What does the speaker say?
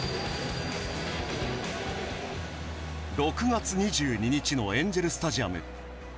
６月２２日のエンジェルスタジアム。